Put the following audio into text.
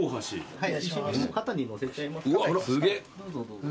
はい。